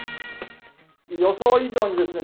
予想以上にですね